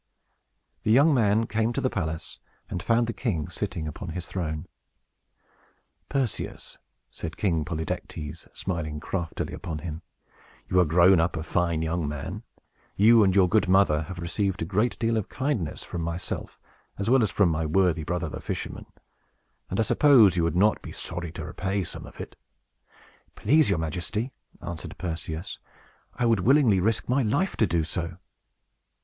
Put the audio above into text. The young man came to the palace, and found the king sitting upon his throne. "Perseus," said King Polydectes, smiling craftily upon him, "you are grown up a fine young man. You and your good mother have received a great deal of kindness from myself, as well as from my worthy brother the fisherman, and I suppose you would not be sorry to repay some of it." "Please your Majesty," answered Perseus, "I would willingly risk my life to do so."